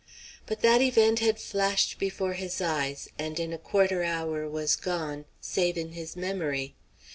But that event had flashed before his eyes, and in a quarter hour was gone, save in his memory.